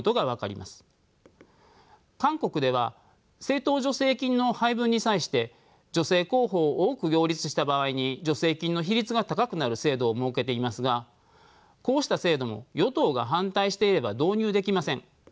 韓国では政党助成金の配分に際して女性候補を多く擁立した場合に助成金の比率が高くなる制度を設けていますがこうした制度も与党が反対していれば導入できません。